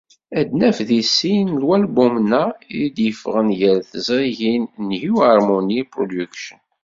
Ad naf deg sin n walbumen-a, i d-yeffɣen ɣer teẓrigin New Harmonie Production.